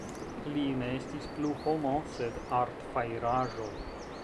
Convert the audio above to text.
Li ne estis plu homo, sed artfajraĵo.